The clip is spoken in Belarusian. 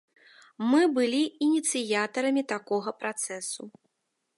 Мы былі ініцыятарамі такога працэсу.